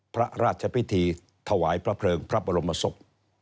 พระราชพิธีถวายพระเพลิงพระบรมศพ